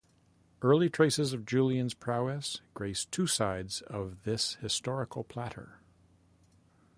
Early traces of Julian's prowess grace two sides of this historical platter.